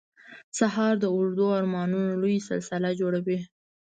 سهار د اوږدو ارمانونو نوې سلسله جوړوي.